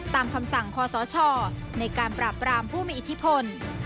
คำสั่งคอสชในการปราบรามผู้มีอิทธิพล